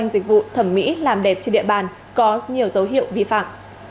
dịch vụ thẩm mỹ làm đẹp trên địa bàn có nhiều dấu hiệu vi phạm